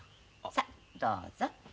さあどうぞ。